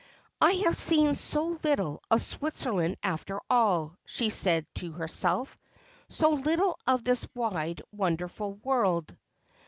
' I have seen so little of Switzerland after all,' she said to her self, ' so little of this wide wonderful world.'